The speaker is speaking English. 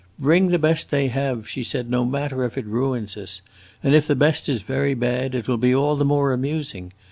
"Bring the best they have," she said, "no matter if it ruins us! And if the best is very bad, it will be all the more amusing.